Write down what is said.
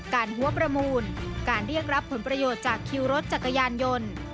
หัวประมูลการเรียกรับผลประโยชน์จากคิวรถจักรยานยนต์